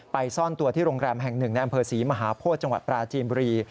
ซ่อนตัวที่โรงแรมแห่งหนึ่งในอำเภอศรีมหาโพธิจังหวัดปราจีนบุรี